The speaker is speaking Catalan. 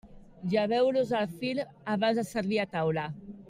Lleveu-los el fil abans de servir a taula.